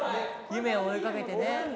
夢を追いかけてね。